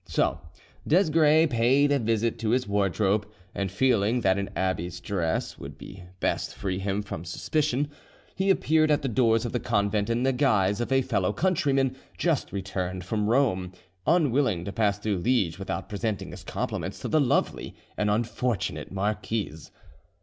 So Desgrais paid a visit to his wardrobe, and feeling that an abbe's dress would best free him from suspicion, he appeared at the doors of the convent in the guise of a fellow countryman just returned from Rome, unwilling to pass through Liege without presenting his compliments to the lovely and unfortunate marquise.